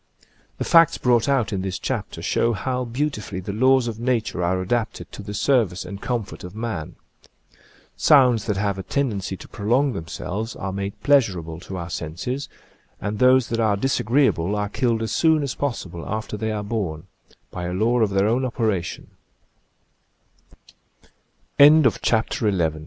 The facts brought out in this chapter show how beautifully the laws of nature are adapted to the service and comfort of man. Sounds that have a tendency to prolong themselves are made pleasurable to our senses, and those that are disagreeable are killed as soon as possible after